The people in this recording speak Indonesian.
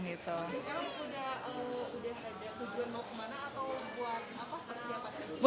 udah saja tujuan mau kemana atau buat apa persiapan